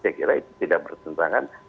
saya kira itu tidak bertentangan